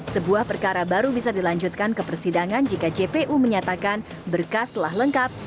sebuah perkara baru bisa dilanjutkan ke persidangan jika jpu menyatakan berkas telah lengkap